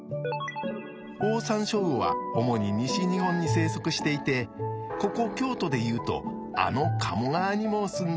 オオサンショウウオは主に西日本に生息していてここ京都で言うとあの鴨川にも住んでいるんですよ。